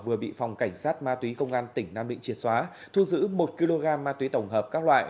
vừa bị phòng cảnh sát ma túy công an tỉnh nam định triệt xóa thu giữ một kg ma túy tổng hợp các loại